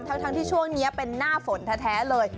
ทั้งที่ช่วงนี้เป็นหน้าฝนแท้เลย